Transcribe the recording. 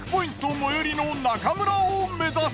最寄りの中村を目指す。